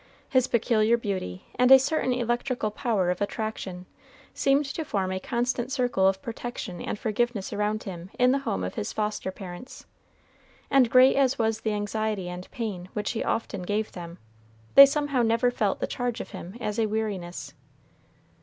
His peculiar beauty, and a certain electrical power of attraction, seemed to form a constant circle of protection and forgiveness around him in the home of his foster parents; and great as was the anxiety and pain which he often gave them, they somehow never felt the charge of him as a weariness.